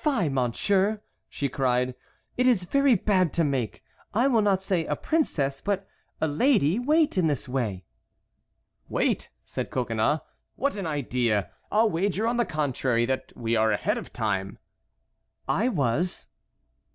"Fie, Monsieur!" she cried, "it is very bad to make—I will not say a princess—but a lady—wait in this way." "Wait?" said Coconnas, "what an idea! I'll wager, on the contrary, that we are ahead of time." "I was."